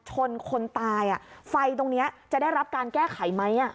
มีเหตุการณ์ชนคนตายอ่ะไฟตรงเนี้ยจะได้รับการแก้ไขไหมอ่ะ